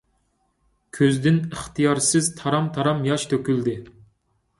كۆزىدىن ئىختىيارسىز تارام - تارام ياش تۆكۈلدى.